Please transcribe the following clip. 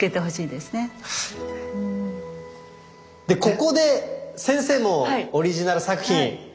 でここで先生のオリジナル作品。